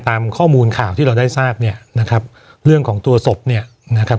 ตามข้อมูลข่าวที่เราได้ทราบเนี่ยนะครับเรื่องของตัวศพเนี่ยนะครับ